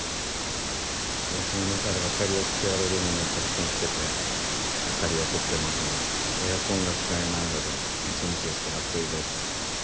おうちの中で明かりをつけられるものをたくさんつけて明かりをとってますが、エアコンが使えないので、ムシムシして暑いです。